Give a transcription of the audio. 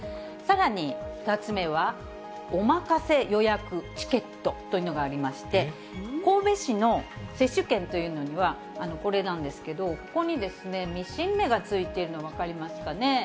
さらに２つ目は、おまかせ予約チケットというのがありまして、神戸市の接種券というのには、これなんですけど、ここに、ミシン目がついているの、分かりますかね。